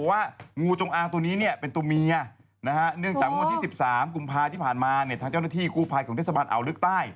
รับแจ้งจากชาวบ้านนะบอกว่า